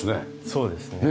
そうですね。